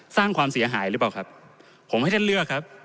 สร้างความเสียหายหรือเปล่าครับผมให้ท่านเลือกครับ